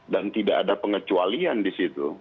dan tidak ada pengecualian di situ